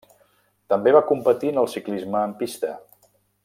També va competir en el ciclisme en pista.